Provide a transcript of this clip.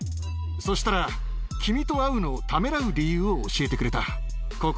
そしたら、君と会うのをためらう理由を教えてくれた。